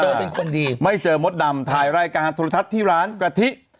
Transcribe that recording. เป็นคนดีไม่เจอมดดำถ่ายรายการโทรทัศน์ที่ร้านกะทิ